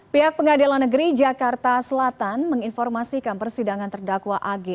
pihak pengadilan negeri jakarta selatan menginformasikan persidangan terdakwa ag